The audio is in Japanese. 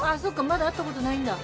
まだ会ったことないんだ？